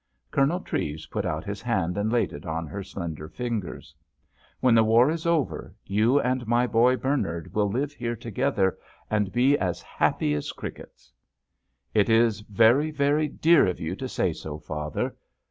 Colonel Treves put out his hand and laid it on her slender fingers. "When the war is over, you and my boy Bernard will live here together, and be as happy as crickets." "It is very, very dear of you to say so, father."